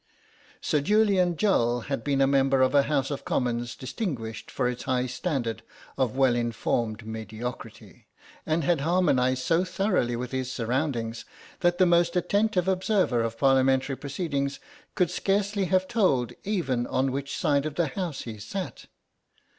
Sir Julian Jull had been a member of a House of Commons distinguished for its high standard of well informed mediocrity, and had harmonised so thoroughly with his surroundings that the most attentive observer of Parliamentary proceedings could scarcely have told even on which side of the House he sat.